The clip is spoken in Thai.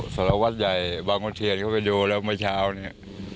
สลวัดใหญ่บางกุลเทียนเขาไปดูแล้วไม่เช้านี้